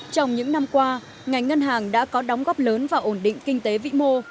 trong những năm qua ngành ngân hàng đã có đóng góp lớn và ổn định kinh tế vĩ mô